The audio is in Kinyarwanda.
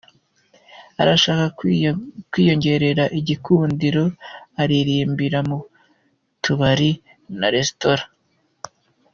Arashaka kwiyongerera igikundiro aririmbira mu tubare na resitora